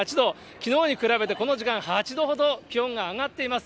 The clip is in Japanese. きのうに比べてこの時間、８度ほど気温が上がっています。